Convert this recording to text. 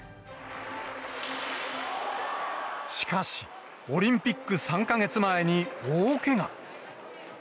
しかし、オリンピック３か月前に大けが。